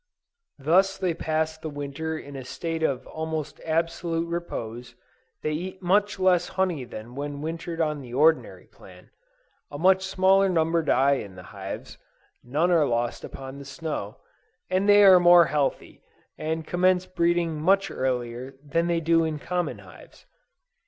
Thus they pass the Winter in a state of almost absolute repose; they eat much less honey than when wintered on the ordinary plan; a much smaller number die in the hives; none are lost upon the snow, and they are more healthy, and commence breeding much earlier than they do in the common hives.